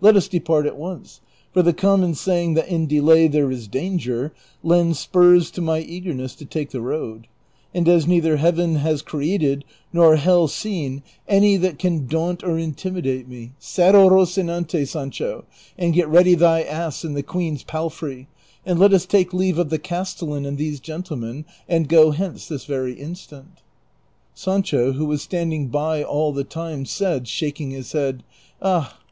Let us depart at once, for the common saying that in delay there is danger,' ^ lends spurs to my eagerness to take the road ; and as neither Heaven has created nor hell seen any that 'Prov. 77. * Prov. 222. 394 DON QUIXOTE. can daunt or intimidate me, saddle Eocinante, Sancho, and get ready thy ass and the queen's palfrey, and let us take leave of the castellan and these gentlemen, and go hence this very instant." Sancho, who was standing by all the time, said, shaking his head, '■' Ah